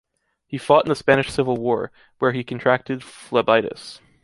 He fought in the Spanish Civil War, where he contracted phlebitis.